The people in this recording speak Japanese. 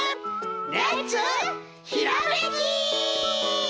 レッツひらめき！